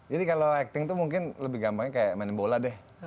jadi kalau acting tuh mungkin lebih gampangnya kayak mainin bola deh